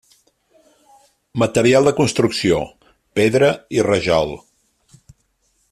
Material de construcció: pedra i rajol.